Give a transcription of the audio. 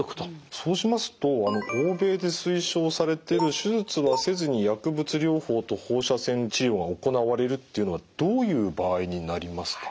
そうしますと欧米で推奨されてる手術はせずに薬物療法と放射線治療が行われるっていうのはどういう場合になりますか？